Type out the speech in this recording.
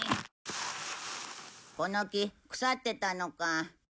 この木腐ってたのか。